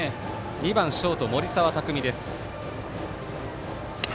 ２番ショート、森澤拓海。